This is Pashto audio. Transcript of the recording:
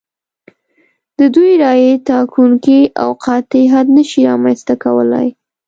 د دوی رایې ټاکونکی او قاطع حد نشي رامنځته کولای.